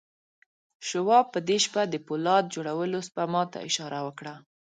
شواب په دې شپه د پولاد جوړولو سپما ته اشاره وکړه